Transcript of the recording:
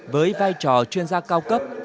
với vai trò chuyên gia cao cấp